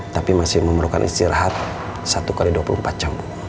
tapi masih memerlukan istirahat satu x dua puluh empat jam